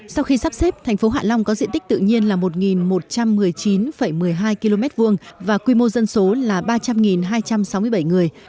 sau khi sắp xếp thành phố hạ long có diện tích tự nhiên là một một trăm một mươi chín một mươi hai km hai và quy mô dân số là ba trăm linh hai trăm sáu mươi bảy người